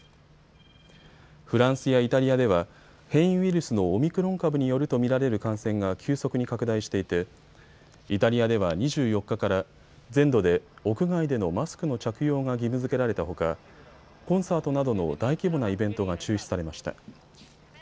フランスやイタリアでは変異ウイルスのオミクロン株によると見られる感染が急速に拡大していてイタリアでは２４日から全土で屋外でのマスクの着用が義務づけられたほかコンサートなどの大規模なイベントが中止されました。